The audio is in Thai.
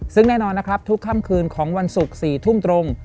ซึ่งแน่นอนนะครับทุกค่ำคืนของวันศุกร์๔ทุ่มตรง